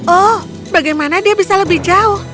oh bagaimana dia bisa lebih jauh